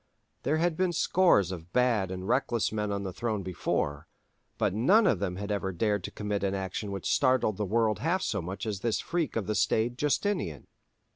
There had been scores of bad and reckless men on the throne before, but none of them had ever dared to commit an action which startled the world half so much as this freak of the staid Justinian.